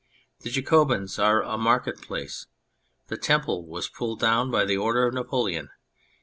The Jacobins are a market place. The temple was pulled down by the order of Napoleon.